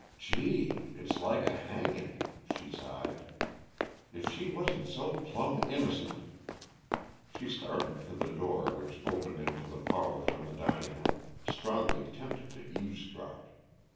"Gee! It's like a hangin'," she sighed. "If she wasn't so plumb innocent " She started for the door which opened into the parlor from the dining room, strongly tempted to eavesdrop.